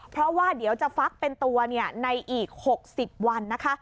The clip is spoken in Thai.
เพราะว่าเดี๋ยวจะฟักเป็นตัวในอีก๖๐วันนะคะ